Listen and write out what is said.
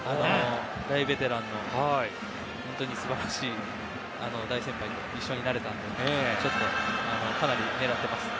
大ベテランの本当に素晴らしい大先輩と一緒になれたのでかなり狙っていますね。